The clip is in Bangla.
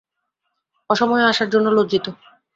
অসময়ে আসার জন্যে লজ্জিত।